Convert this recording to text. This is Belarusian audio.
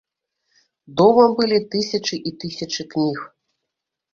Дома былі тысячы і тысячы кніг.